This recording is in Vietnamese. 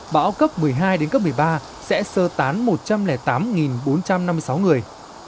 bão cấp một mươi hai đến cấp một mươi ba sẽ sơ tán một trăm linh tám bốn trăm năm mươi sáu người